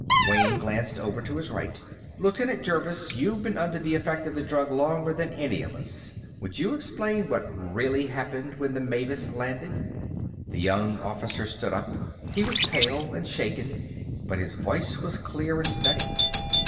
Wayne glanced over to his right. "Lieutenant Jervis, you've been under the effect of the drug longer than any of us. Would you explain what really happened when the Mavis landed?" The young officer stood up. He was pale and shaken, but his voice was clear and steady.